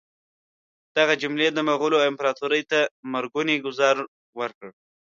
دغې حملې مغولو امپراطوري ته مرګونی ګوزار ورکړ.